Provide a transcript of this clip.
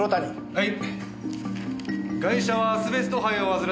はい。